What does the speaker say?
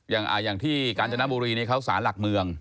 อย่างที่กาญจนบุรีนี้เขาสารหลักเมือง